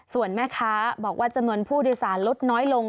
ส่วนแม่ค้าบอกว่าจำนวนผู้โดยสารลดน้อยลง